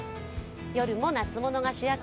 夜も夏物が主役。